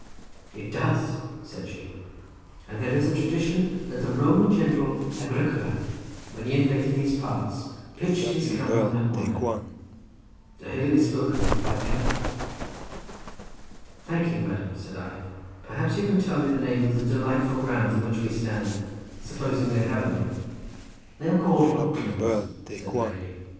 "It does," said she; "and there is a tradition that the Roman general Agricola, when he invaded these parts, pitched his camp on that moel. The hill is spoken of by Pennant." "Thank you, madam," said I; "perhaps you can tell me the name of the delightful grounds in which we stand, supposing they have a name." "They are called Oaklands," said the lady.